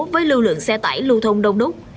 với lưu lượng xe tải lưu thông đông đúc